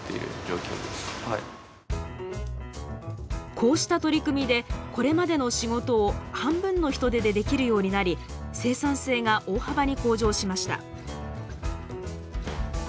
こうした取り組みでこれまでの仕事を半分の人手でできるようになり生産性が大幅に向上しました。